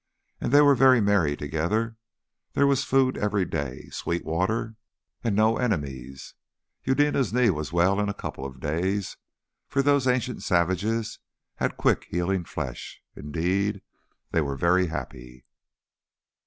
And they were very merry together; there was food every day, sweet water, and no enemies. Eudena's knee was well in a couple of days, for those ancient savages had quick healing flesh. Indeed, they were very happy.